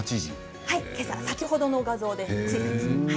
先ほどの画像です。